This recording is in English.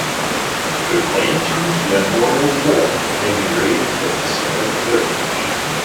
The clan chief's memorial pole may be raised at the center of the village.